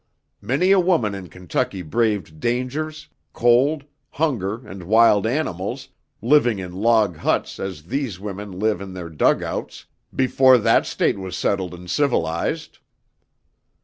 Many a woman in Kentucky braved dangers, cold, hunger and wild animals, living in log huts as these women live in their dugouts, before that State was settled and civilized."